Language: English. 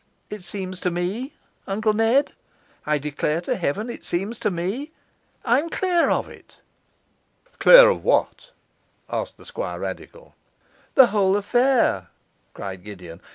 It seems to me Uncle Ned, I declare to heaven it seems to me I'm clear of it!' 'Clear of what?' asked the Squirradical. 'The whole affair!' cried Gideon.